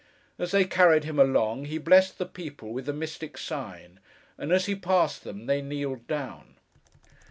As they carried him along, he blessed the people with the mystic sign; and as he passed them, they kneeled down.